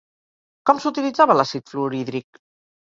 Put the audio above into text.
Com s'utilitzava l'àcid fluorhídric?